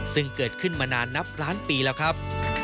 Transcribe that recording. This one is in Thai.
ซึ่งเกิดขึ้นมานานนับล้านปีแล้วครับ